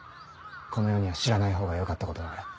この世には知らないほうがよかったことがある。